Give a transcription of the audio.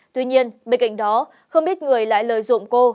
tuy nhiên bên cạnh đó không ít người lại lợi dụng cô